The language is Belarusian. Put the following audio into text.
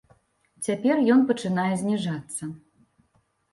Цяпер ён пачынае зніжацца.